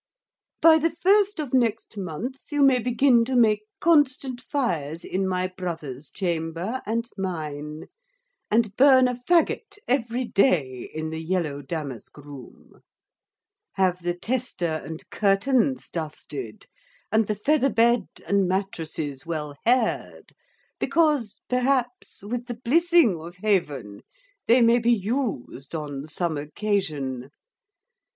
By the first of next month you may begin to make constant fires in my brother's chamber and mine; and burn a fagget every day in the yellow damask room: have the tester and curtains dusted, and the featherbed and matrosses well haired, because, perhaps, with the blissing of haven, they may be yoosed on some occasion.